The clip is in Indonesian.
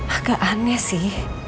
agak aneh sih